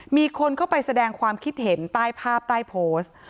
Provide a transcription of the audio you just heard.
มีคนเข้าไปแสดงความคิดเห็นใต้ภาพใต้โพสต์